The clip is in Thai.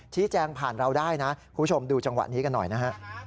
แจ้งผ่านเราได้นะคุณผู้ชมดูจังหวะนี้กันหน่อยนะฮะ